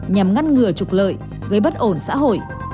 nhằm ngăn ngừa trục lợi gây bất ổn xã hội